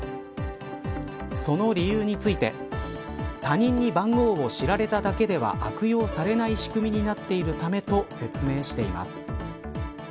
その理由について他人に番号を知られただけでは悪用されない仕組みになっているためと説明しています。